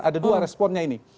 ada dua responnya ini